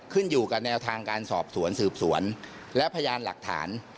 ขึ้นอยู่กับแนวทางการสอบสวนสืบสวนและพยานหลักฐาน